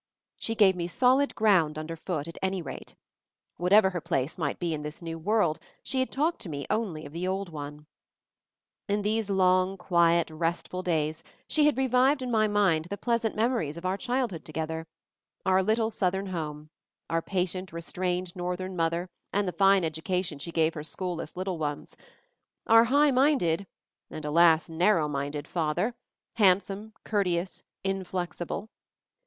She gave me solid ground underfoot at any rate. Whatever her place might be in this New World, she had talked to me only of the old one. In these long, quiet, restful days, she had revived in my mind the pleasant memories of our childhood together; our little South ern home ; our patient, restrained Northern MOVING THE MOUNTAIN 39 mother and the fine education she gave her school less little ones; our high minded— and, alas, narrow minded — father, hand some, courteous, inflexible.